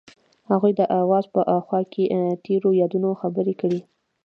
هغوی د اواز په خوا کې تیرو یادونو خبرې کړې.